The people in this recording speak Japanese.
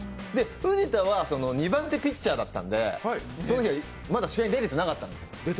藤田は２番手ピッチャーだったんでその日はまだ試合に出れてなかったんですよ。